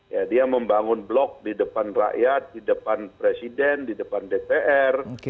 ya dia membangun blok di depan rakyat di depan presiden di depan dpr